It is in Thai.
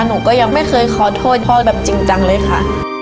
หนูก็ยังไม่เคยขอโทษพ่อแบบจริงจังเลยค่ะ